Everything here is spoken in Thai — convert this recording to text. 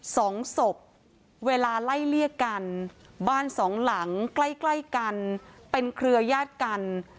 สองศพเวลาไล่เลี่ยกันบ้านสองหลังใกล้ใกล้กันเป็นเครือยาศกัน